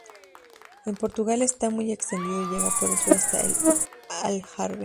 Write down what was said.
En Portugal está muy extendido y llega por el sur hasta el Algarve.